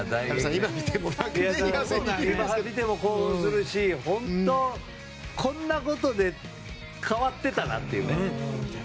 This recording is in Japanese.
今見ても興奮するし本当、こんなことで変わってたなっていうね。